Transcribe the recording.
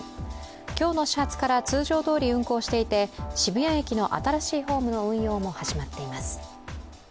今日の始発から通常どおり運行していて、渋谷駅の新しいホームの運用も始まっています。